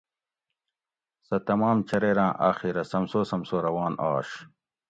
سہ تمام چۤریراۤں آخیرہ سمسو سمسو روان آش